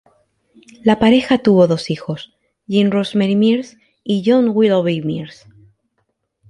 La pareja tuvo dos hijos, Jean Rosemary Meares y John Willoughby Meares.